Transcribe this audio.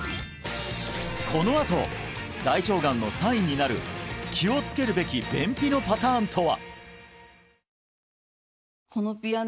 このあと大腸がんのサインになる気をつけるべき便秘のパターンとは？